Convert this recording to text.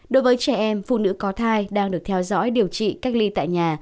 đối với trẻ em phụ nữ có thai đang được theo dõi điều trị cách ly tại nhà